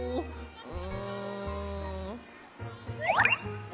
うん。